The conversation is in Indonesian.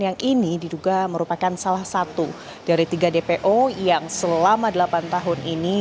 yang ini diduga merupakan salah satu dari tiga dpo yang selama delapan tahun ini